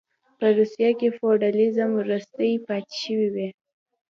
په روسیه کې فیوډالېزم وروستۍ پاتې شوې وې.